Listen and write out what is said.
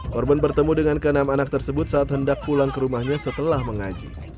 korban bertemu dengan ke enam anak tersebut saat hendak pulang ke rumahnya setelah mengaji